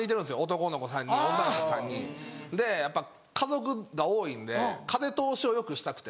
男の子３人女の子３人。でやっぱ家族が多いんで風通しを良くしたくて。